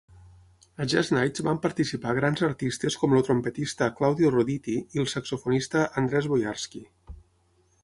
A Jazz Nights van participar grans artistes com el trompetista Claudio Roditi i el saxofonista Andres Boiarsky.